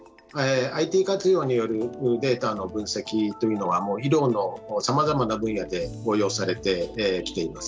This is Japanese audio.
ＩＴ活用によるデータの分析というのは医療のさまざまな分野で応用されてきています。